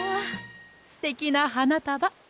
すてきなはなたば。